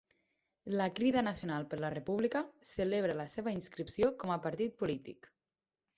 La Crida Nacional per la República celebra la seva inscripció com a partit polític